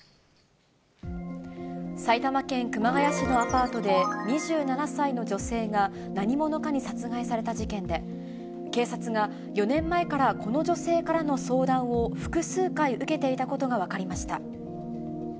埼玉県熊谷市のアパートで、２７歳の女性が何者かに殺害された事件で、警察が４年前からこの女性からの相談を、複数回受けていたことが分かりました。